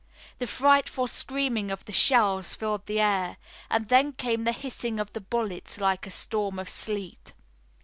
The frightful screaming of the shells filled the air, and then came the hissing of the bullets like a storm of sleet.